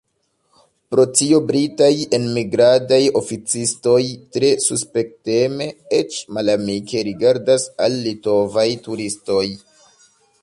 Pro tio britaj enmigradaj oficistoj tre suspekteme, eĉ malamike, rigardas al litovaj turistoj.